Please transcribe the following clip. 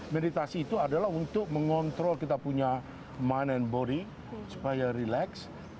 meditasi itu adalah untuk mengontrol kita punya mind and body supaya relax